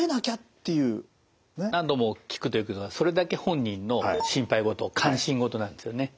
何度も聞くということはそれだけ本人の心配事関心事なんですよね。